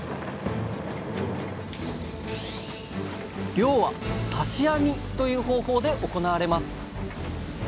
漁は「刺し網」という方法で行われます。